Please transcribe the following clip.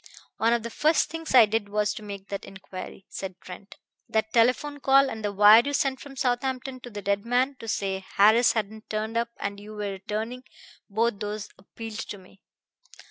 "One of the first things I did was to make that inquiry," said Trent. "That telephone call, and the wire you sent from Southampton to the dead man, to say Harris hadn't turned up and you were returning both those appealed to me."